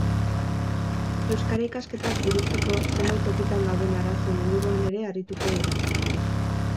Euskara ikasketak burutzeko zenbait tokitan dauden arazoen inguruan ere arituko dira.